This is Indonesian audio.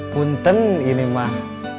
punten ini mah